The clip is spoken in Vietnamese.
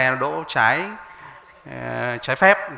nó đỗ trái phép